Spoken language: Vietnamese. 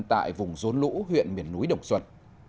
tại vùng dôn lũ huyện miền núi đồng xuân